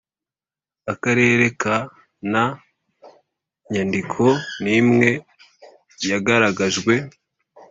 Akarere ka Nta nyandiko n imwe yagaragajwe